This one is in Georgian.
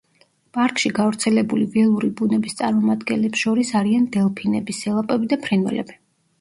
პარკში გავრცელებული ველური ბუნების წარმომადგენლებს შორის არიან დელფინები, სელაპები და ფრინველები.